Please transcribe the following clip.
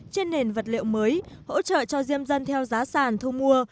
trên nền vật liệu mới hỗ trợ cho diêm dân theo giá sàn thu mua